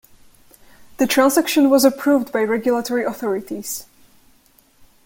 The transaction was approved by regulatory authorities.